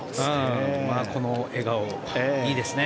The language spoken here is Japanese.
この笑顔いいですね。